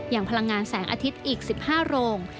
พลังงานแสงอาทิตย์อีก๑๕โรง